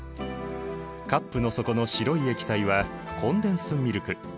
カップの底の白い液体はコンデンスミルク。